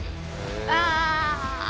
ああ！